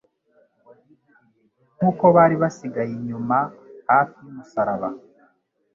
Nk'uko bari basigaye inyuma hafi y'umusaraba,